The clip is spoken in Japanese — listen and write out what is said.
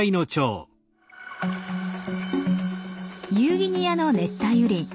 ニューギニアの熱帯雨林。